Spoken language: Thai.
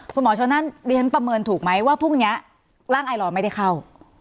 คุณหมอชนนั่นดิฉันประเมินถูกไหมว่าพรุ่งนี้ร่างไอลอร์ไม่ได้เข้า